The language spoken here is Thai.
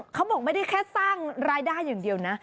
เขาบอกไม่ได้แค่สร้างรายได้อย่างเดียวนะ